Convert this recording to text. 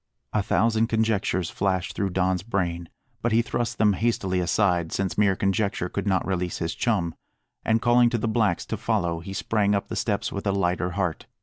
A thousand conjectures flashed through Don's brain, but he thrust them hastily aside, since mere conjecture could not release his chum; and calling to the blacks to follow, he sprang up the steps with a lighter heart.